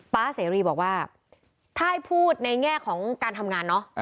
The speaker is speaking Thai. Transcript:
๊าเสรีบอกว่าถ้าให้พูดในแง่ของการทำงานเนอะ